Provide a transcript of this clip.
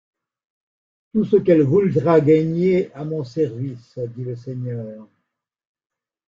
Tout ce qu’elle vouldra gaigner à mon service, dit le seigneur.